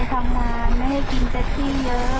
พ่อก็จะบ่นไม่ทำนานไม่ให้กินเต็ดที่เยอะ